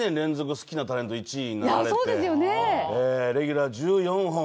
好きなタレント１位になられて、レギュラー１４本。